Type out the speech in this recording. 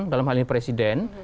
dalam hal ini presiden